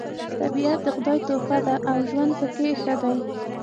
طبیعت د خدای تحفه ده او ژوند پکې ښه دی